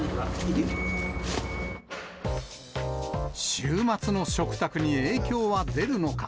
週末の食卓に影響は出るのか。